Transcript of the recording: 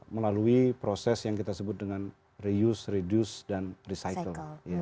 melalui proses yang kita sebut dengan reuse reduce dan recycle